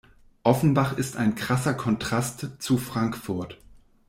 Offenbach ist ein krasser Kontrast zu Frankfurt.